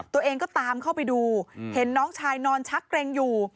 ตัวเองก็ตามเข้าไปดูเห็นน้องชายนอนชักเกร็งอยู่